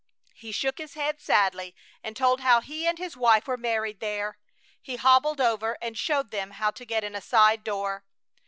He shook his head sadly and told how he and his wife were married there. He hobbled over and showed them how to get in a side door.